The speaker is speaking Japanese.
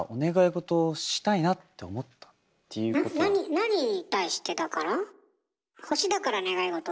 何に対してだから？